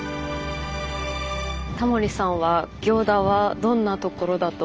タモリさんは行田はどんな所だと思いましたか？